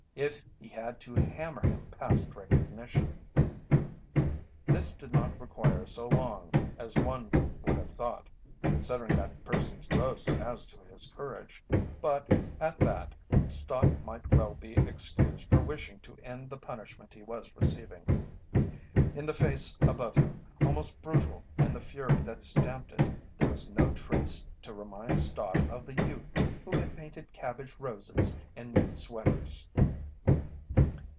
if he had to hammer him past recognition. This did not require so long as one would have thought, considering that person's boasts as to his courage, but, at that, Stott might well be excused for wishing to end the punishment he was receiving. In the face above him, almost brutal in the fury that stamped it, there was no trace to remind Stott of the youth who had painted cabbage roses and knit sweaters.